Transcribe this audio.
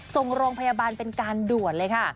ส่งโรงพยาบาลเป็นการด่วนเลยค่ะ